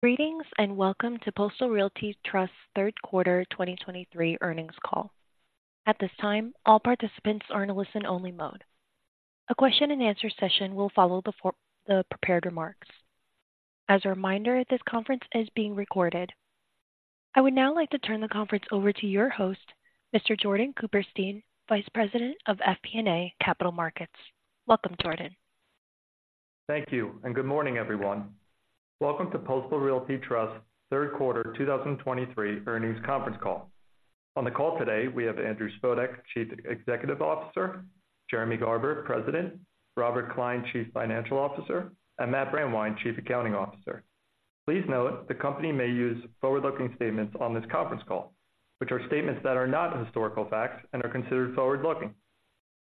Greetings, and welcome to Postal Realty Trust's Third Quarter 2023 Earnings Call. At this time, all participants are in a listen-only mode. A question-and-answer session will follow the prepared remarks. As a reminder, this conference is being recorded. I would now like to turn the conference over to your host, Mr. Jordan Cooperstein, Vice President of FP&A Capital Markets. Welcome, Jordan. Thank you, and good morning, everyone. Welcome to Postal Realty Trust's Third Quarter 2023 Earnings Conference Call. On the call today, we have Andrew Spodek, Chief Executive Officer; Jeremy Garber, President; Robert Klein, Chief Financial Officer; and Matt Brandwein, Chief Accounting Officer. Please note, the company may use forward-looking statements on this conference call, which are statements that are not historical facts and are considered forward-looking.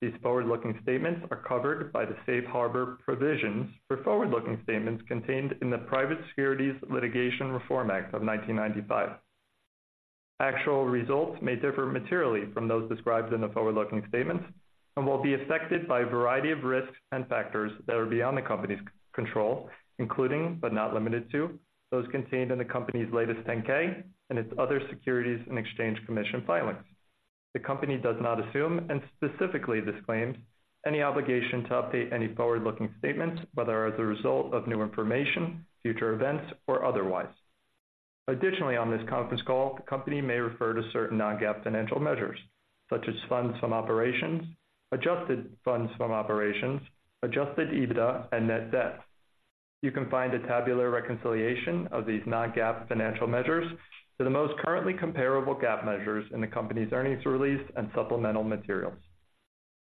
These forward-looking statements are covered by the safe harbor provisions for forward-looking statements contained in the Private Securities Litigation Reform Act of 1995. Actual results may differ materially from those described in the forward-looking statements and will be affected by a variety of risks and factors that are beyond the company's control, including, but not limited to, those contained in the company's latest 10-K and its other Securities and Exchange Commission filings. The company does not assume, and specifically disclaims, any obligation to update any forward-looking statements, whether as a result of new information, future events, or otherwise. Additionally, on this conference call, the company may refer to certain non-GAAP financial measures, such as Funds from Operations, Adjusted Funds from Operations, Adjusted EBITDA and net debt. You can find a tabular reconciliation of these non-GAAP financial measures to the most currently comparable GAAP measures in the company's earnings release and supplemental materials.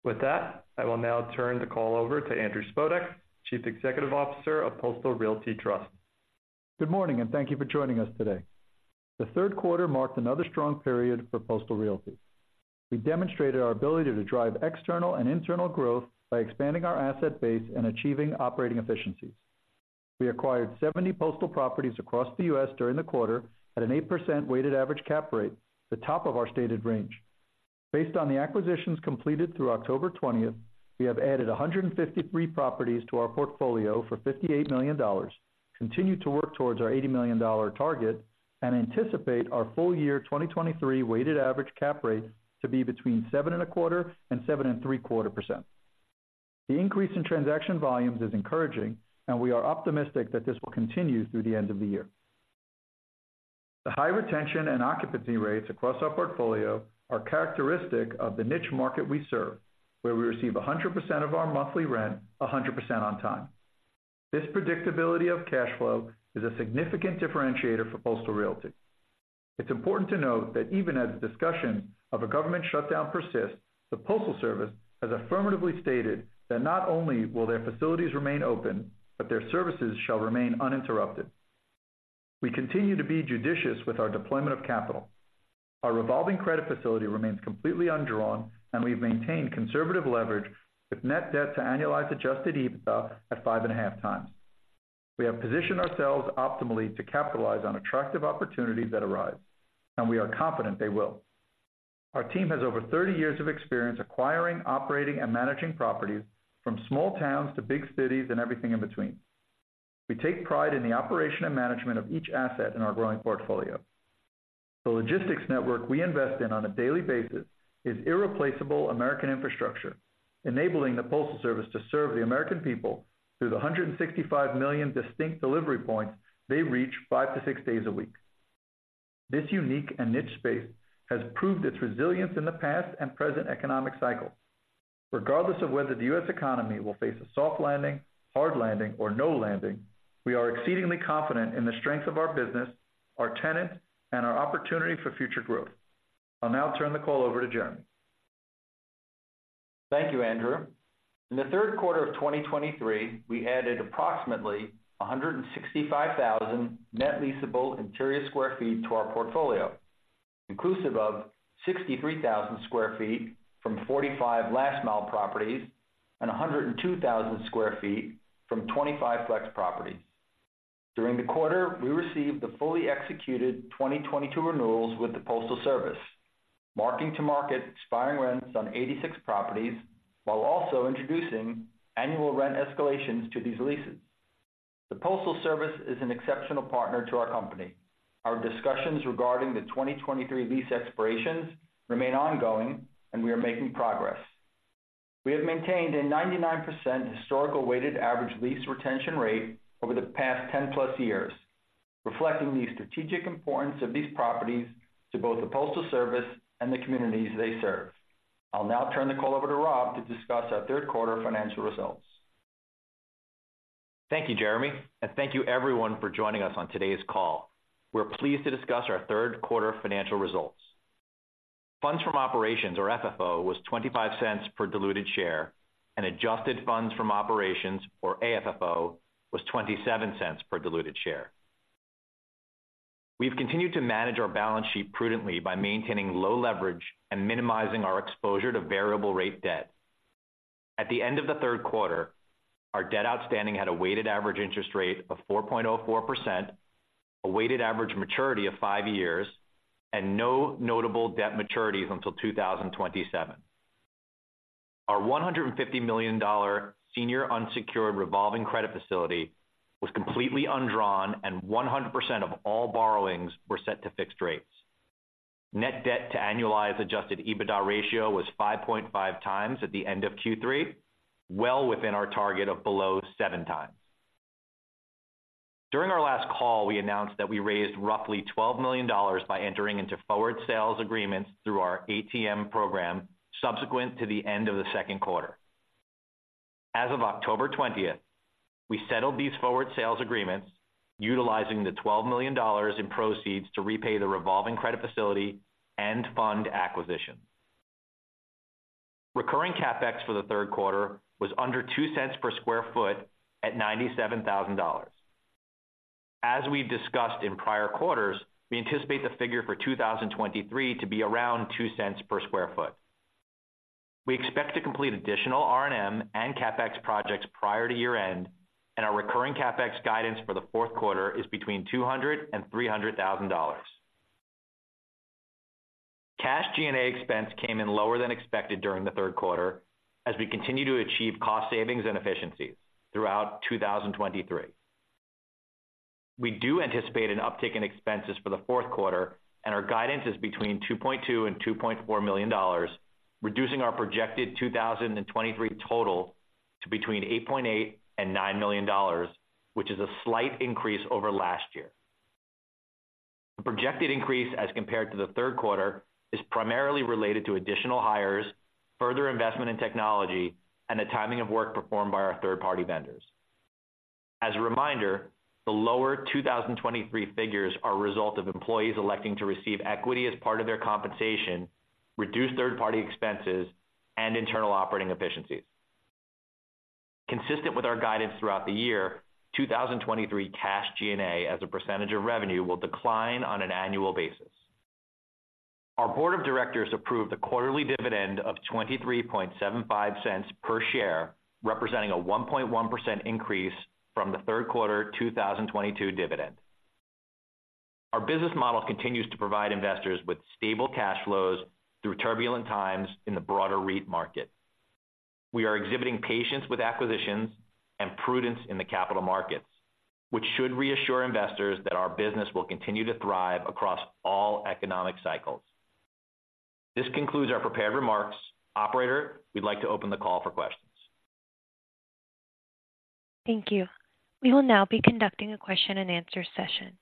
With that, I will now turn the call over to Andrew Spodek, Chief Executive Officer of Postal Realty Trust. Good morning, and thank you for joining us today. The third quarter marked another strong period for Postal Realty. We demonstrated our ability to drive external and internal growth by expanding our asset base and achieving operating efficiencies. We acquired 70 postal properties across the U.S. during the quarter at an 8% weighted average cap rate, the top of our stated range. Based on the acquisitions completed through October twentieth, we have added 153 properties to our portfolio for $58 million, continue to work towards our $80 million target, and anticipate our full year 2023 weighted average cap rate to be between 7.25% and 7.75%. The increase in transaction volumes is encouraging, and we are optimistic that this will continue through the end of the year. The high retention and occupancy rates across our portfolio are characteristic of the niche market we serve, where we receive 100% of our monthly rent, 100% on time. This predictability of cash flow is a significant differentiator for Postal Realty. It's important to note that even as discussion of a government shutdown persists, the Postal Service has affirmatively stated that not only will their facilities remain open, but their services shall remain uninterrupted. We continue to be judicious with our deployment of capital. Our revolving credit facility remains completely undrawn, and we've maintained conservative leverage with net debt to annualized Adjusted EBITDA at 5.5 times. We have positioned ourselves optimally to capitalize on attractive opportunities that arise, and we are confident they will. Our team has over 30 years of experience acquiring, operating, and managing properties from small towns to big cities and everything in between. We take pride in the operation and management of each asset in our growing portfolio. The logistics network we invest in on a daily basis is irreplaceable American infrastructure, enabling the Postal Service to serve the American people through the 165 million distinct delivery points they reach 5-6 days a week. This unique and niche space has proved its resilience in the past and present economic cycles. Regardless of whether the U.S. economy will face a soft landing, hard landing, or no landing, we are exceedingly confident in the strength of our business, our tenants, and our opportunity for future growth. I'll now turn the call over to Jeremy. Thank you, Andrew. In the third quarter of 2023, we added approximately 165,000 net leasable interior square feet to our portfolio, inclusive of 63,000 square feet from 45 last mile properties and 102,000 square feet from 25 flex properties. During the quarter, we received the fully executed 2022 renewals with the Postal Service, marking to market expiring rents on 86 properties, while also introducing annual rent escalations to these leases. The Postal Service is an exceptional partner to our company. Our discussions regarding the 2023 lease expirations remain ongoing, and we are making progress. We have maintained a 99% historical weighted average lease retention rate over the past 10+ years, reflecting the strategic importance of these properties to both the Postal Service and the communities they serve. I'll now turn the call over to Rob to discuss our third quarter financial results. Thank you, Jeremy, and thank you everyone for joining us on today's call. We're pleased to discuss our third quarter financial results. Funds from Operations, or FFO, was $0.25 per diluted share, and Adjusted Funds from Operations, or AFFO, was $0.27 per diluted share. We've continued to manage our balance sheet prudently by maintaining low leverage and minimizing our exposure to variable rate debt. At the end of the third quarter, our debt outstanding had a weighted average interest rate of 4.04%, a weighted average maturity of 5 years, and no notable debt maturities until 2027. Our $150 million senior unsecured revolving credit facility was completely undrawn and 100% of all borrowings were set to fixed rates. Net Debt to Annualized Adjusted EBITDA ratio was 5.5 times at the end of Q3, well within our target of below 7 times. During our last call, we announced that we raised roughly $12 million by entering into forward sales agreements through our ATM program, subsequent to the end of the second quarter. As of October 20th, we settled these forward sales agreements, utilizing the $12 million in proceeds to repay the revolving credit facility and fund acquisitions. Recurring CapEx for the third quarter was under 2 cents per square feet at $97,000. As we've discussed in prior quarters, we anticipate the figure for 2023 to be around 2 cents per square feet. We expect to complete additional R&M and CapEx projects prior to year-end, and our recurring CapEx guidance for the fourth quarter is between $200,000 and $300,000. Cash G&A expense came in lower than expected during the third quarter as we continue to achieve cost savings and efficiencies throughout 2023. We do anticipate an uptick in expenses for the fourth quarter, and our guidance is between $2.2 million and $2.4 million, reducing our projected 2023 total to between $8.8 million and $9 million, which is a slight increase over last year. The projected increase as compared to the third quarter is primarily related to additional hires, further investment in technology, and the timing of work performed by our third-party vendors. As a reminder, the lower 2023 figures are a result of employees electing to receive equity as part of their compensation, reduced third-party expenses, and internal operating efficiencies. Consistent with our guidance throughout the year, 2023 cash G&A as a percentage of revenue will decline on an annual basis. Our board of directors approved a quarterly dividend of $0.2375 per share, representing a 1.1% increase from the third quarter 2022 dividend. Our business model continues to provide investors with stable cash flows through turbulent times in the broader REIT market. We are exhibiting patience with acquisitions and prudence in the capital markets, which should reassure investors that our business will continue to thrive across all economic cycles. This concludes our prepared remarks. Operator, we'd like to open the call for questions. Thank you. We will now be conducting a question-and-answer session.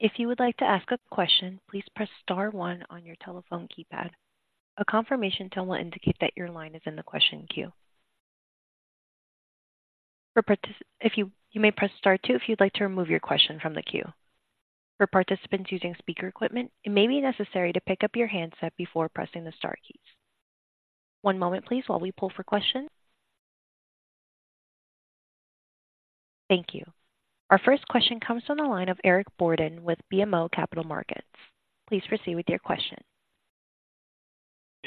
If you would like to ask a question, please press star one on your telephone keypad. A confirmation tone will indicate that your line is in the question queue. For participants, if you may press star two if you'd like to remove your question from the queue. For participants using speaker equipment, it may be necessary to pick up your handset before pressing the star keys. One moment please, while we pull for questions. Thank you. Our first question comes from the line of Eric Borden with BMO Capital Markets. Please proceed with your question.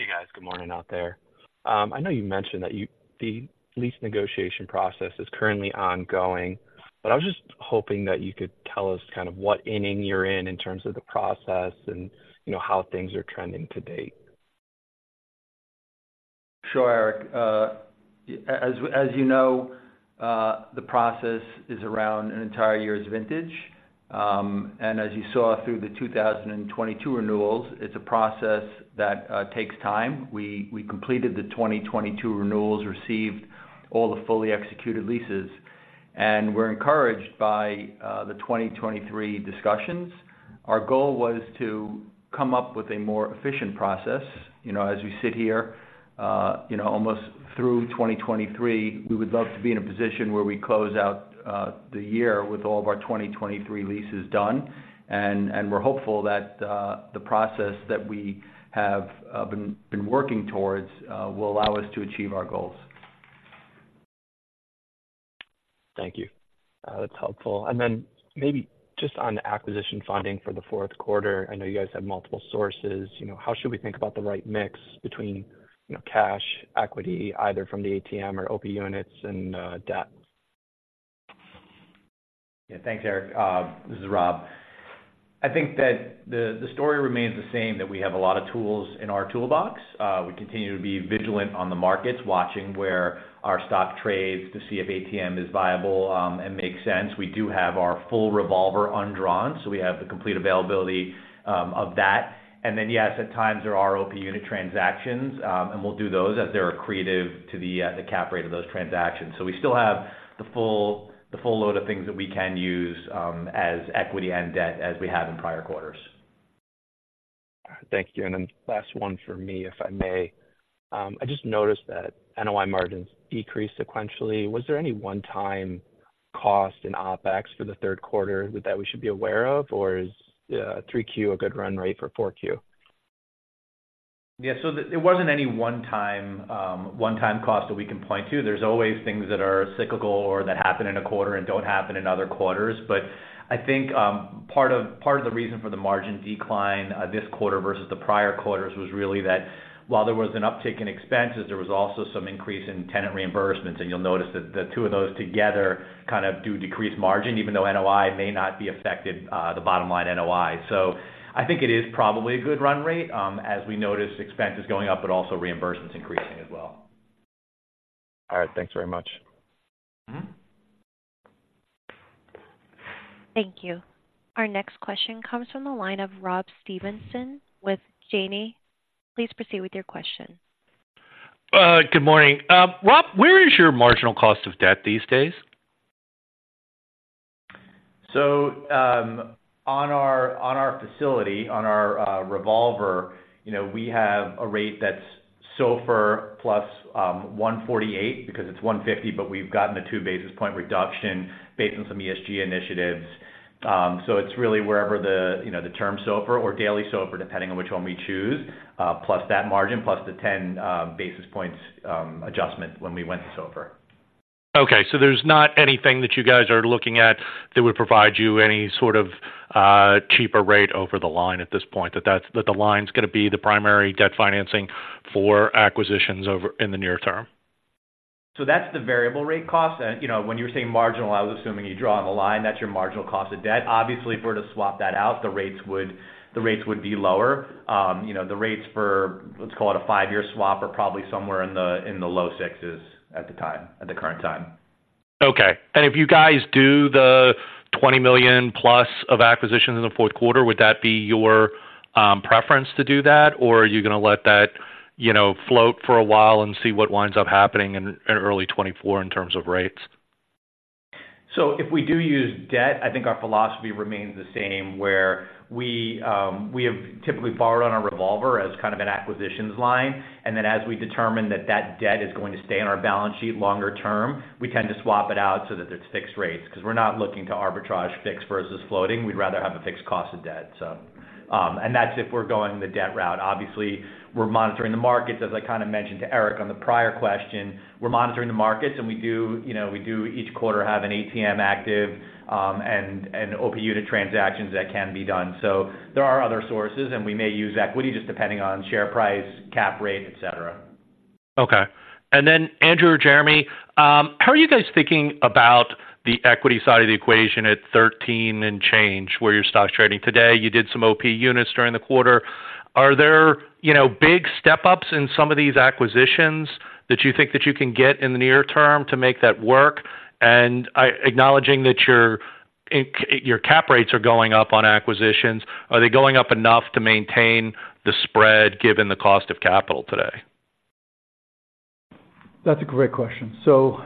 Hey, guys. Good morning out there. I know you mentioned that the lease negotiation process is currently ongoing, but I was just hoping that you could tell us kind of what inning you're in, in terms of the process and, you know, how things are trending to date. Sure, Eric. As you know, the process is around an entire year's vintage. And as you saw through the 2022 renewals, it's a process that takes time. We completed the 2022 renewals, received all the fully executed leases, and we're encouraged by the 2023 discussions. Our goal was to come up with a more efficient process. You know, as we sit here, you know, almost through 2023, we would love to be in a position where we close out the year with all of our 2023 leases done. And we're hopeful that the process that we have been working towards will allow us to achieve our goals. Thank you. That's helpful. Then maybe just on the acquisition funding for the fourth quarter, I know you guys have multiple sources. You know, how should we think about the right mix between, you know, cash, equity, either from the ATM or OP units and debt? Yeah. Thanks, Eric. This is Rob. I think that the, the story remains the same, that we have a lot of tools in our toolbox. We continue to be vigilant on the markets, watching where our stock trades to see if ATM is viable, and makes sense. We do have our full revolver undrawn, so we have the complete availability of that. And then, yes, at times there are OP unit transactions, and we'll do those as they're accretive to the, the cap rate of those transactions. So we still have the full, the full load of things that we can use as equity and debt as we have in prior quarters. Thank you. And then last one for me, if I may. I just noticed that NOI margins decreased sequentially. Was there any one-time cost in OpEx for the third quarter that we should be aware of? Or is 3Q a good run rate for 4Q? Yeah. So it wasn't any one time, one time cost that we can point to. There's always things that are cyclical or that happen in a quarter and don't happen in other quarters. But I think, part of, part of the reason for the margin decline, this quarter versus the prior quarters, was really that while there was an uptick in expenses, there was also some increase in tenant reimbursements. And you'll notice that the two of those together kind of do decrease margin, even though NOI may not be affected, the bottom line, NOI. So I think it is probably a good run rate, as we notice expenses going up, but also reimbursements increasing as well. All right. Thanks very much. Thank you. Our next question comes from the line of Rob Stevenson with Janney. Please proceed with your question. Good morning. Rob, where is your marginal cost of debt these days? So, on our facility, on our revolver, you know, we have a rate that's SOFR plus 148 because it's 150, but we've gotten a 2 basis point reduction based on some ESG initiatives. So it's really wherever the, you know, the term SOFR or daily SOFR, depending on which one we choose, plus that margin, plus the 10 basis points adjustment when we went to SOFR. Okay, so there's not anything that you guys are looking at that would provide you any sort of cheaper rate over the line at this point, that the line's gonna be the primary debt financing for acquisitions over in the near term? So that's the variable rate cost. And, you know, when you were saying marginal, I was assuming you drawing a line, that's your marginal cost of debt. Obviously, if we were to swap that out, the rates would, the rates would be lower. You know, the rates for, let's call it a five-year swap, are probably somewhere in the, in the low sixes at the time, at the current time. Okay. And if you guys do the $20 million plus of acquisitions in the fourth quarter, would that be your preference to do that? Or are you gonna let that, you know, float for a while and see what winds up happening in early 2024 in terms of rates? So if we do use debt, I think our philosophy remains the same, where we have typically borrowed on our revolver as kind of an acquisitions line, and then as we determine that that debt is going to stay on our balance sheet longer term, we tend to swap it out so that it's fixed rates. 'Cause we're not looking to arbitrage fixed versus floating. We'd rather have a fixed cost of debt, so. That's if we're going the debt route. Obviously, we're monitoring the markets, as I kind of mentioned to Eric on the prior question. We're monitoring the markets, and we do, you know, each quarter, have an ATM active, and OP unit transactions that can be done. So there are other sources, and we may use equity, just depending on share price, cap rate, et cetera. Okay. And then, Andrew or Jeremy, how are you guys thinking about the equity side of the equation at 13 and change, where your stock's trading today? You did some OP units during the quarter. Are there, you know, big step-ups in some of these acquisitions that you think that you can get in the near term to make that work? And acknowledging that your cap rates are going up on acquisitions, are they going up enough to maintain the spread, given the cost of capital today? That's a great question. So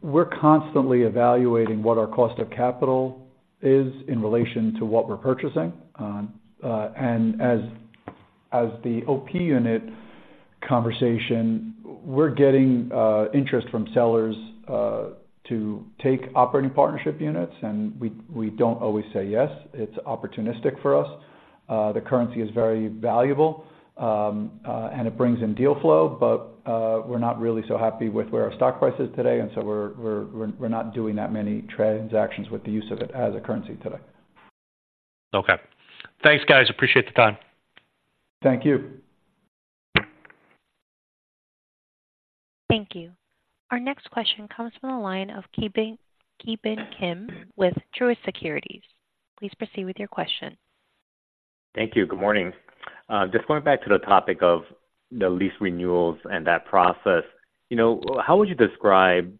we're constantly evaluating what our cost of capital is in relation to what we're purchasing. As the OP unit conversation, we're getting interest from sellers to take operating partnership units, and we don't always say yes. It's opportunistic for us. The currency is very valuable, and it brings in deal flow, but we're not really so happy with where our stock price is today, and so we're not doing that many transactions with the use of it as a currency today. Okay. Thanks, guys. Appreciate the time. Thank you. Thank you. Our next question comes from the line of Ki Bin Kim with Truist Securities. Please proceed with your question. Thank you. Good morning. Just going back to the topic of the lease renewals and that process, you know, how would you describe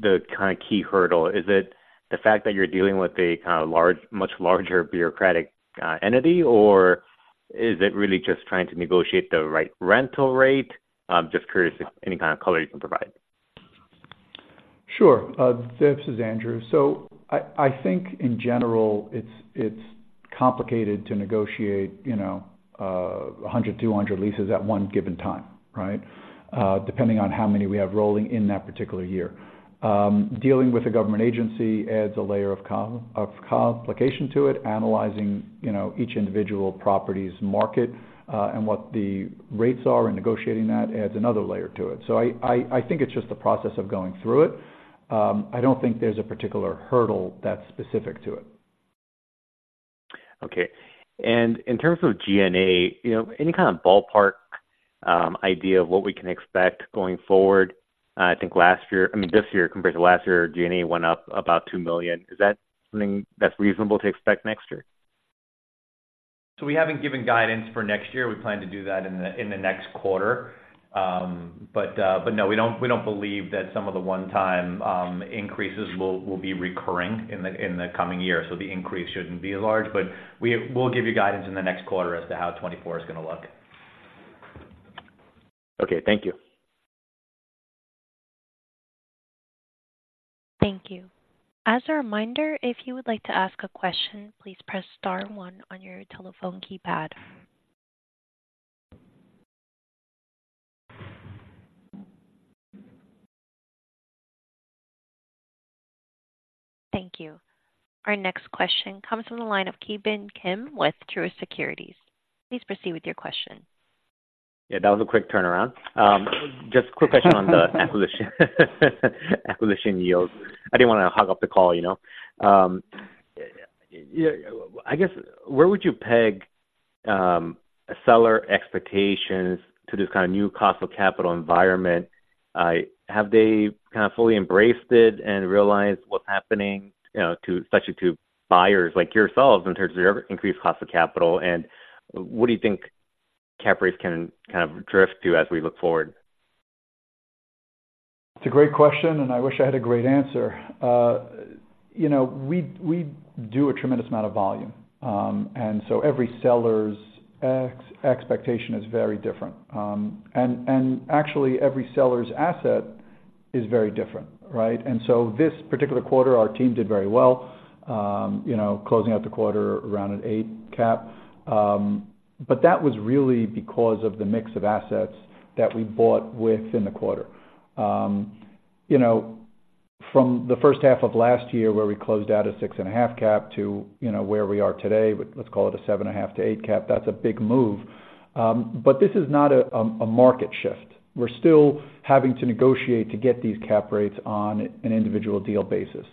the kind of key hurdle? Is it the fact that you're dealing with a kind of large, much larger bureaucratic entity, or is it really just trying to negotiate the right rental rate? Just curious if any kind of color you can provide. Sure. This is Andrew. So I think in general, it's complicated to negotiate, you know, 100, 200 leases at one given time, right? Depending on how many we have rolling in that particular year. Dealing with a government agency adds a layer of complication to it. Analyzing, you know, each individual property's market, and what the rates are and negotiating that adds another layer to it. So I think it's just the process of going through it. I don't think there's a particular hurdle that's specific to it. Okay. And in terms of G&A, you know, any kind of ballpark idea of what we can expect going forward? I think last year... I mean, this year compared to last year, G&A went up about $2 million. Is that something that's reasonable to expect next year? We haven't given guidance for next year. We plan to do that in the next quarter. But no, we don't believe that some of the one-time increases will be recurring in the coming year, so the increase shouldn't be large. But we'll give you guidance in the next quarter as to how 2024 is gonna look. Okay. Thank you. Thank you. As a reminder, if you would like to ask a question, please press star one on your telephone keypad. Thank you. Our next question comes from the line of Ki Bin Kim with Truist Securities. Please proceed with your question. Yeah, that was a quick turnaround. Just quick question on the acquisition, acquisition yields. I didn't want to hog up the call, you know. Yeah, I guess, where would you peg a seller expectation to this kind of new cost of capital environment? Have they kind of fully embraced it and realized what's happening, you know, to-- especially to buyers like yourselves, in terms of your increased cost of capital, and what do you think cap rates can kind of drift to as we look forward?... It's a great question, and I wish I had a great answer. You know, we do a tremendous amount of volume, and so every seller's expectation is very different. And actually, every seller's asset is very different, right? And so this particular quarter, our team did very well, you know, closing out the quarter around an 8 cap. But that was really because of the mix of assets that we bought within the quarter. You know, from the first half of last year, where we closed out a 6.5 cap to, you know, where we are today, with let's call it a 7.5-8 cap, that's a big move. But this is not a market shift. We're still having to negotiate to get these cap rates on an individual deal basis.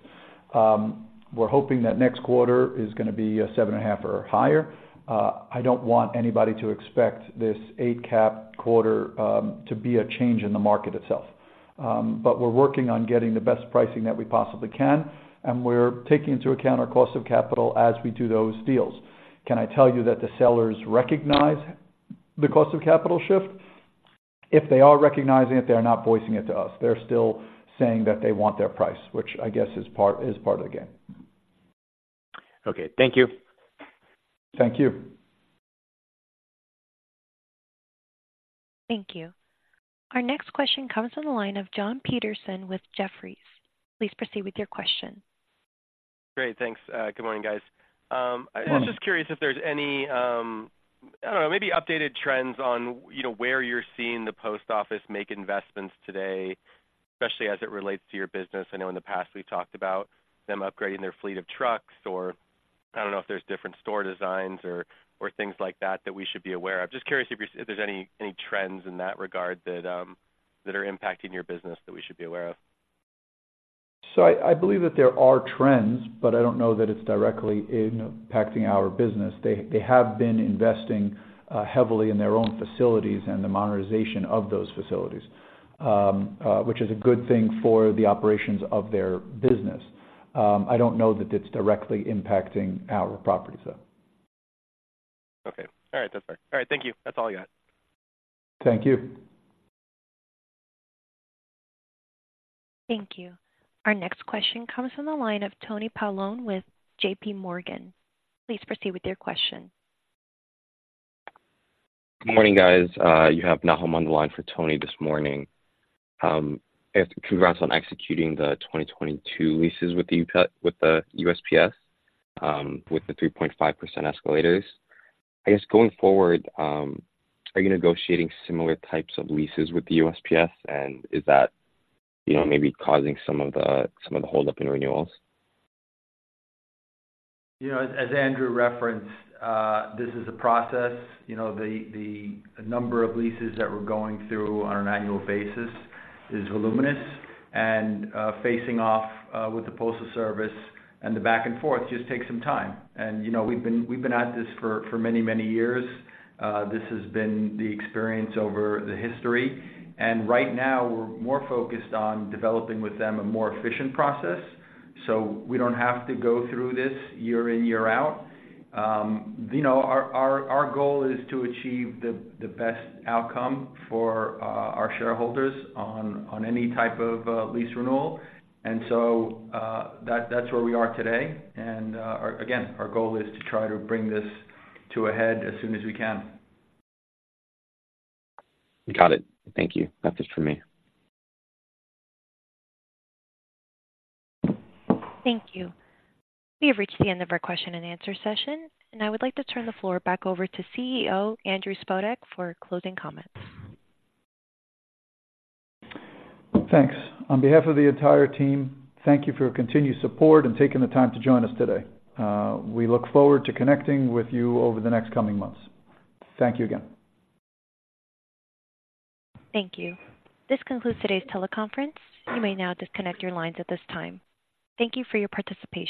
We're hoping that next quarter is gonna be a 7.5 or higher. I don't want anybody to expect this 8-cap quarter to be a change in the market itself. But we're working on getting the best pricing that we possibly can, and we're taking into account our cost of capital as we do those deals. Can I tell you that the sellers recognize the cost of capital shift? If they are recognizing it, they are not voicing it to us. They're still saying that they want their price, which I guess is part of the game. Okay, thank you. Thank you. Thank you. Our next question comes from the line of Jon Peterson with Jefferies. Please proceed with your question. Great, thanks. Good morning, guys. I was just curious if there's any, I don't know, maybe updated trends on, you know, where you're seeing the post office make investments today, especially as it relates to your business. I know in the past, we've talked about them upgrading their fleet of trucks, or I don't know if there's different store designs or things like that, that we should be aware of. Just curious if there's any trends in that regard that are impacting your business that we should be aware of. So I, I believe that there are trends, but I don't know that it's directly impacting our business. They, they have been investing heavily in their own facilities and the modernization of those facilities, which is a good thing for the operations of their business. I don't know that it's directly impacting our properties, though. Okay. All right, that's fair. All right, thank you. That's all I got. Thank you. Thank you. Our next question comes from the line of Anthony Paolone with JP Morgan. Please proceed with your question. Good morning, guys. You have Nahom on the line for Tony this morning. Congrats on executing the 2022 leases with the USPS, with the 3.5% escalators. I guess going forward, are you negotiating similar types of leases with the USPS? And is that, you know, maybe causing some of the holdup in renewals? You know, as Andrew referenced, this is a process, you know, the number of leases that we're going through on an annual basis is voluminous. And, facing off, with the Postal Service and the back and forth just takes some time. And, you know, we've been at this for many, many years. This has been the experience over the history. And right now, we're more focused on developing with them a more efficient process, so we don't have to go through this year in, year out. You know, our goal is to achieve the best outcome for our shareholders on any type of lease renewal. And so, that's where we are today. And, again, our goal is to try to bring this to a head as soon as we can. Got it. Thank you. That's it for me. Thank you. We have reached the end of our question-and-answer session, and I would like to turn the floor back over to CEO, Andrew Spodek, for closing comments. Thanks. On behalf of the entire team, thank you for your continued support and taking the time to join us today. We look forward to connecting with you over the next coming months. Thank you again. Thank you. This concludes today's teleconference. You may now disconnect your lines at this time. Thank you for your participation.